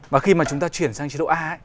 và khi mà chúng ta chuyển sang chế độ a